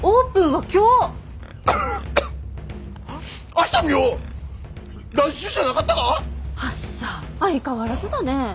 はっさ相変わらずだね。